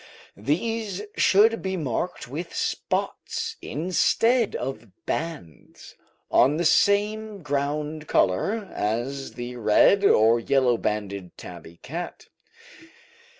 These should be marked with spots instead of bands, on the same ground colour as the red or yellow banded tabby cat.